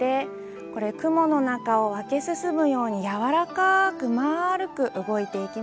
これ雲の中を分け進むように柔らかくまるく動いていきます。